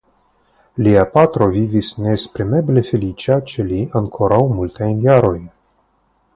Lia patro vivis neesprimeble feliĉa ĉe li ankoraŭ multajn jarojn.